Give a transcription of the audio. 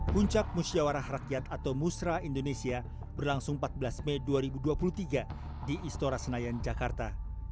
puncak musyawarah rakyat atau musra indonesia berlangsung empat belas mei dua ribu dua puluh tiga di istora senayan jakarta